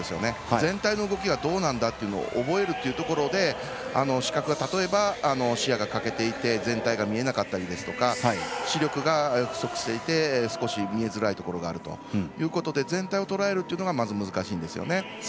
全体の動きがどうなんだっていうのを覚えるところで視覚が、例えば視野が欠けていて全体が見えなかったり視力が、不足していて少し見えづらいところがあるというので全体をとらえるというのが難しいんですよね。